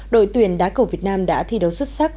đội tuyển đá cầu việt nam đã thi đấu xuất sắc